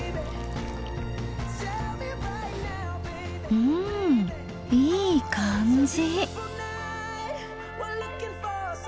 うんいい感じ。